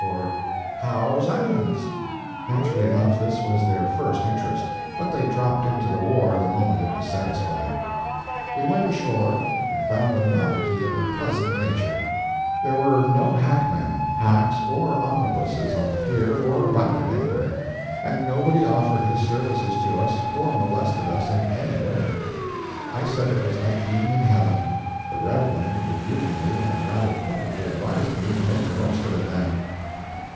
or, "How's onions?" Naturally enough this was their first interest; but they dropped into the war the moment it was satisfied. We went ashore and found a novelty of a pleasant nature: there were no hackmen, hacks, or omnibuses on the pier or about it anywhere, and nobody offered his services to us, or molested us in any way. I said it was like being in heaven. The Reverend rebukingly and rather pointedly advised me to make the most of it, then.